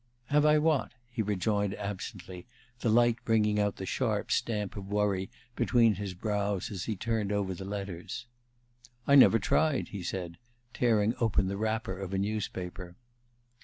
"Have I what?" he rejoined absently, the light bringing out the sharp stamp of worry between his brows as he turned over the letters. "I never tried," he said, tearing open the wrapper of a newspaper.